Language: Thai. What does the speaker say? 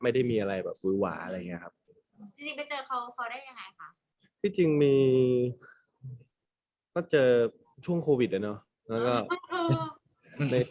ไม่ได้มีอะไรแบบปุ๋ยหวาอะไรอย่างเงี้ยครับจริงจริงไปเจอเขาเขาได้ยังไงค่ะ